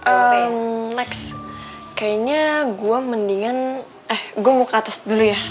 al next kayaknya gue mendingan eh gue mau ke atas dulu ya